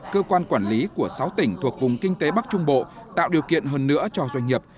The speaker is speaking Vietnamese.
cơ quan quản lý của sáu tỉnh thuộc vùng kinh tế bắc trung bộ tạo điều kiện hơn nữa cho doanh nghiệp